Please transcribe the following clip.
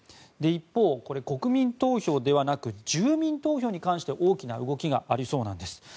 一方、国民投票ではなく住民投票に関して大きな動きがありそうなんです。